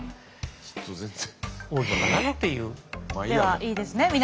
ではいいですね。